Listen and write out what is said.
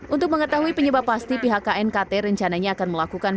untuk mengetahui penyebab pasti pihak knkt rencananya akan melakukan